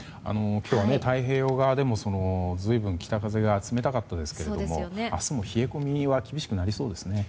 今日は太平洋側でも随分、北風が冷たかったんですけども明日も冷え込みは厳しくなりそうですね。